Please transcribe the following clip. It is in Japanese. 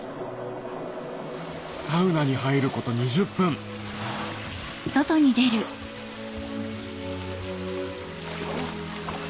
サウナに入ること２０分フゥフゥ。